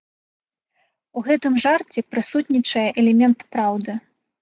У гэтым жарце прысутнічае элемент праўды.